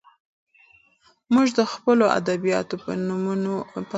موږ د خپلو ادیبانو په نومونو فخر کوو.